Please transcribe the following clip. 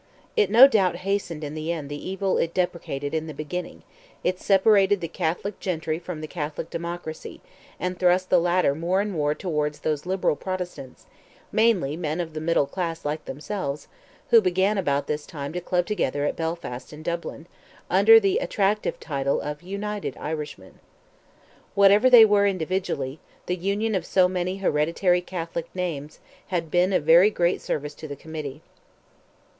It no doubt hastened in the end the evil it deprecated in the beginning; it separated the Catholic gentry from the Catholic democracy, and thrust the latter more and more towards those liberal Protestants, mainly men of the middle class like themselves, who began about this time to club together at Belfast and Dublin, under the attractive title of "United Irishmen." Whatever they were individually, the union of so many hereditary Catholic names had been of very great service to the committee.